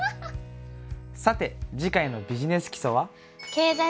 さて次回の「ビジネス基礎」は？